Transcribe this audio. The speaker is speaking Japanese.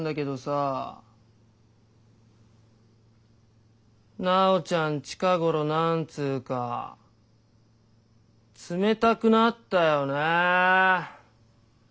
ー楠宝ちゃん近頃なんつーか冷たくなったよねぇ。